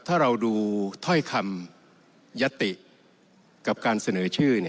ถ้าเราดูถ้อยคำยติกับการเสนอชื่อ